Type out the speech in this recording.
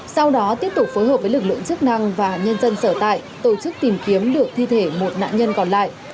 sau đó tiếp tục phối hợp với lực lượng chức năng và nhân dân sở tại tổ chức tìm kiếm được thi thể một nạn nhân còn lại